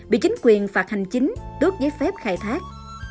bị chính quyền phạt hành chính tước giấy phép khai thác